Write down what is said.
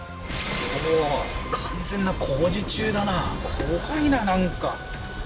これか完全な工事中だな怖いななんかすごい道だ